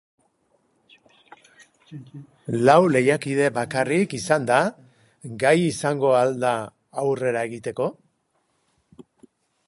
Lau lehiakide bakarrik izanda, gai izango al da aurrera egiteko?